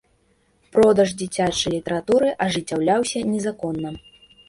Продаж дзіцячай літаратуры ажыццяўляўся незаконна.